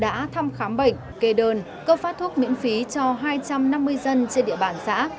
đã thăm khám bệnh kê đơn cấp phát thuốc miễn phí cho hai trăm năm mươi dân trên địa bàn xã